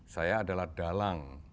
saya adalah dalang